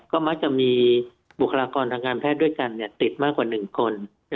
ก็มักจะมีบุคลากรทางการแพทย์ด้วยกันติดมากกว่า๑คน